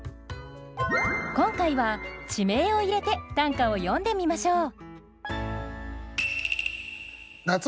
今回は地名を入れて短歌を詠んでみましょう。